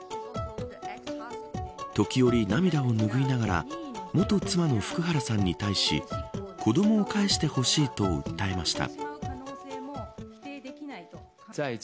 時折涙を拭いながら元妻の福原さんに対し子どもを返してほしいと訴えました。